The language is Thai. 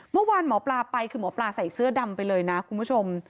เมื่อวานหมอปลาไปคือหมอปลาใส่เสื้อดำไปเลยนะคุณผู้ชม